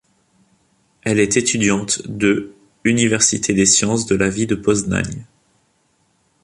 Elle est étudiante de université des sciences de la vie de Poznań.